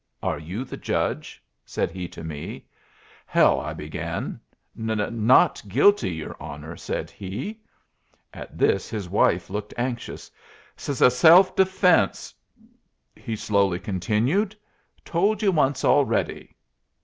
"Are you the judge?" said he to me. "Hell " I began. "N not guilty, your honor," said he. At this his wife looked anxious. "S self defence," he slowly continued; "told you once already."